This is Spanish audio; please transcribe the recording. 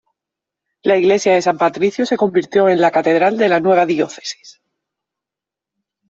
La Iglesia de San Patricio se convirtió en la catedral de la nueva diócesis.